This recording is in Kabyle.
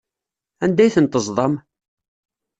Anda ay ten-teẓḍam?